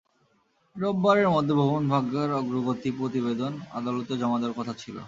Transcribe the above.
রোববারের মধ্যে ভবন ভাঙার অগ্রগতি প্রতিবেদন আদালতে জমা দেওয়ার কথা ছিল।